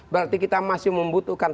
berarti kita masih membutuhkan